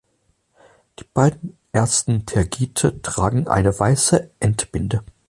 Die beiden ersten Tergite tragen eine weiße Endbinde.